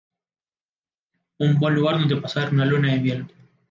Un buen lugar donde pasar una luna de miel.